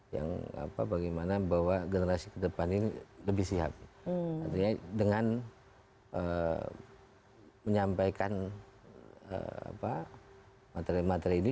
yang apa bagaimana membawa generasi ke depan ini lebih siap dengan menyampaikan apa materi materi